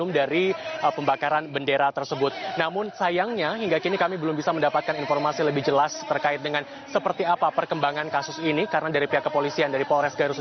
untuk mengetahui perkembangan aksi pembakaran bendera sudah ada produser lapangan cnn indonesia kiki harjah didika rucoparat